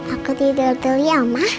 aku tidur dulu ya oma